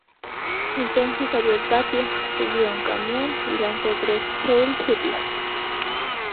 Entonces salió al patio, subió a un camión y lanzó tres ""Heil Hitler!"".